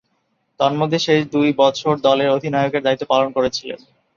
তন্মধ্যে, শেষ দুই বছর দলের অধিনায়কের দায়িত্ব পালন করেছিলেন।